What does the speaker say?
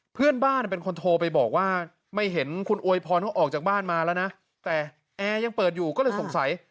เพื่อนบ้านเป็นคนโทรไปบอกว่าไม่เห็นคุณอวยพรเขาออกจากบ้านมาแล้วนะแต่แอร์ยังเปิดอยู่ก็เลยสงสัย